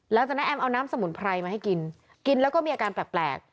แอนเอาน้ำสมุนไพรมาให้กินกินแล้วก็มีอาการแปลก